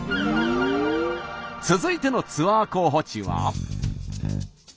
続いてのツアー候補地は？